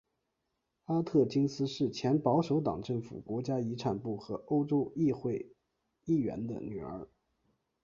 阿特金斯是前保守党政府国家遗产部和欧洲议会议员的女儿。